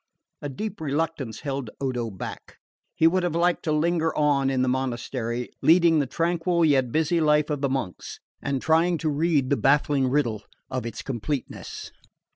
A deep reluctance held Odo back. He would have liked to linger on in the monastery, leading the tranquil yet busy life of the monks, and trying to read the baffling riddle of its completeness.